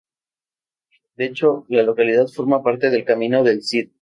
De hecho, la localidad forma parte del Camino del Cid.